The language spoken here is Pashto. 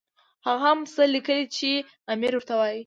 هغه هم هغه څه لیکي چې امیر ورته وایي.